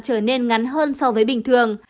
trở nên ngắn hơn so với bình thường